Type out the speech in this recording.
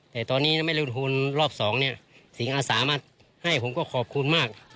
แต่ตอนนี้ไม่รู้ทุนรอบ๒สิงห์อาสามาให้ผมก็ขอบคุณมาก